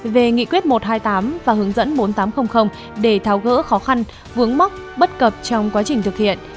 về nghị quyết một trăm hai mươi tám và hướng dẫn bốn nghìn tám trăm linh để tháo gỡ khó khăn vướng mắc bất cập trong quá trình thực hiện